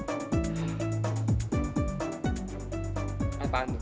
eh apaan tuh